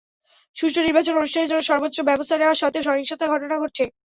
সুষ্ঠু নির্বাচন অনুষ্ঠানের জন্য সর্বোচ্চ ব্যবস্থা নেওয়া সত্ত্বেও সহিংসতার ঘটনা ঘটেছে।